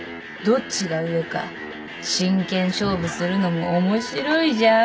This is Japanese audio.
どっちが上か真剣勝負するのも面白いじゃん。